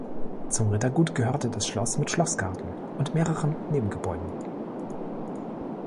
Zum Rittergut gehörte das Schloss mit Schlossgarten und mehreren Nebengebäuden.